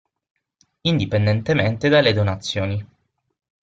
Indipendentemente dalle donazioni.